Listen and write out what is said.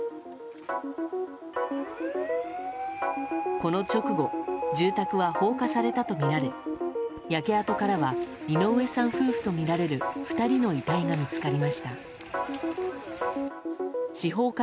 この直後住宅は放火されたとみられ焼け跡からは井上さん夫婦とみられる２人の遺体が見つかりました。